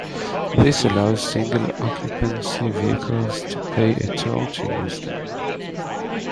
This allows single-occupancy vehicles to pay a toll to use them.